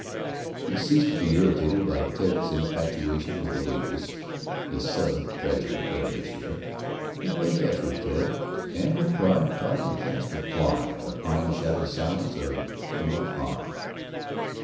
He ceased to be irritated by Ted's infatuation with a waitress (his seventh tragic affair this year); he played catch with Ted, and with pride taught him to cast a fly in the pine shadowed silence of Skowtuit Pond.